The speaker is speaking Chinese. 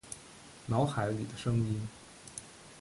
脑海里的声音